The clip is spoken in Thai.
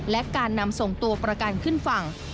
และการนำส่งตัวประกันขึ้นฝั่ง